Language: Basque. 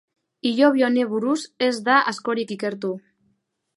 Hilobi honi buruz ez da askorik ikertu.